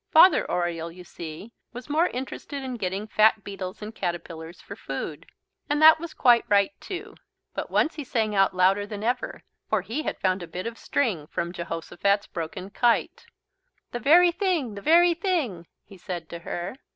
Father Oriole, you see, was more interested in getting fat beetles and caterpillars for food. And that was quite right too. But once he sang out louder than ever, for he had found a bit of string from Jehosophat's broken kite. "The very thing, the very thing," he said to her.